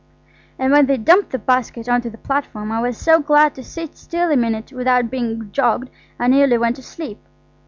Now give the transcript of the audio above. "And when they dumped the basket on to the platform I was so glad to sit still a minute without being jogged I nearly went to sleep.